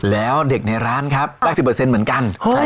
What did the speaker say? แล้วเด็กในร้านได้๑๐เปอร์เซ็นต์เหมือนกัน